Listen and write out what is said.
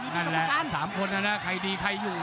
นั่นแหละ๓คนนะนะใครดีใครอยู่